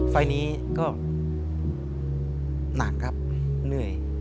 ไฟล์นี้ก็หนักครับเหนื่อย